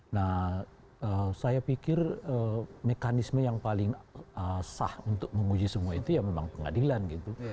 nah saya pikir mekanisme yang paling sah untuk menguji semua itu ya memang pengadilan gitu